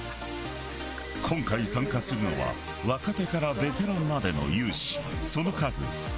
今回参加するのは若手からベテランまでの有志その数２６人。